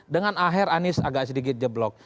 dengan aher anies agak sedikit jeblok